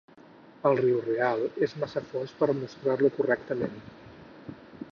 El riu real és massa fons per mostrar-lo correctament.